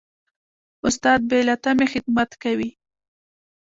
استاد بې له تمې خدمت کوي.